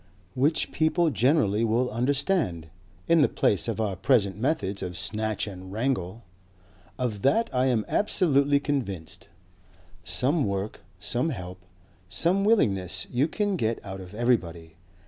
Which people generally will understand in the place of our present methods of snatch and wrangle. Of that I am absolutely convinced. Some work, some help, some willingness you can get out of everybody.